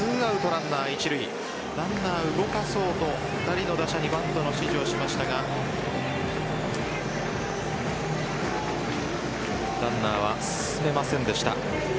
ランナーを動かそうと２人の打者にバントの指示をしましたがランナーは進めませんでした。